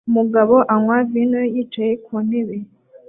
Umugabo anywa vino yicaye ku ntebe